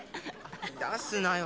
出すなよ